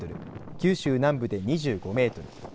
九州南部で２５メートル